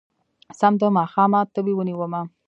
سم د ماښامه تبې ونيومه